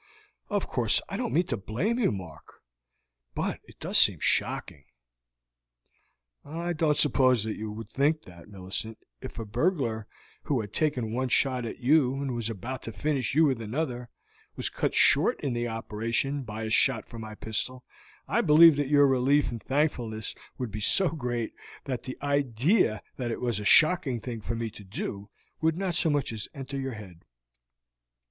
"Of course I don't mean that I blame you, Mark; but it does seem shocking." "I don't suppose you would think that, Millicent, if a burglar, who had taken one shot at you and was about to finish you with another, was cut short in the operation by a shot from my pistol. I believe that your relief and thankfulness would be so great that the idea that it was a shocking thing for me to do would not as much as enter your head."